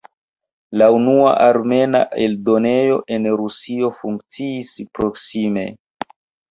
La unua armena eldonejo en Rusio funkciis proksime.